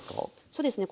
そうですね